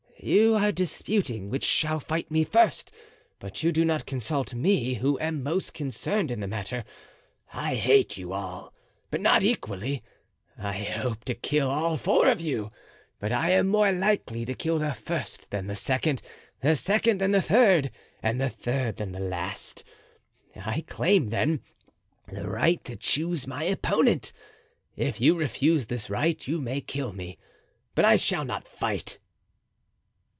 You are disputing which shall fight me first, but you do not consult me who am most concerned in the matter. I hate you all, but not equally. I hope to kill all four of you, but I am more likely to kill the first than the second, the second than the third, and the third than the last. I claim, then, the right to choose my opponent. If you refuse this right you may kill me, but I shall not fight."